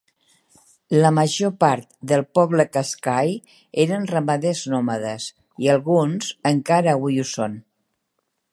La major part del poble qaixqai eren ramaders nòmades, i alguns encara avui ho són.